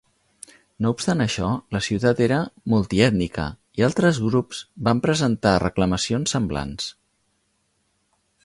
No obstant això, la ciutat era multiètnica i altres grups van presentar reclamacions semblants.